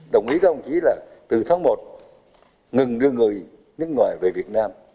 đồng ý không chỉ là từ tháng một ngừng đưa người nước ngoài về việt nam